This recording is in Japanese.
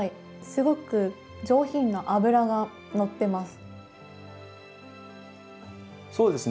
すごく上品な脂がのってます。